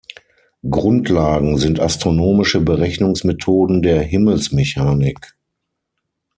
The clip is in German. Grundlagen sind astronomische Berechnungsmethoden der Himmelsmechanik.